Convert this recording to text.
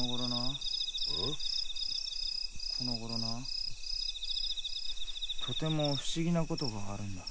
このごろなぁとても不思議なことがあるんだ。